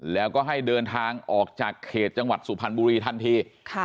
แล้วก็ให้เดินทางออกจากเขตจังหวัดสุพรรณบุรีทันที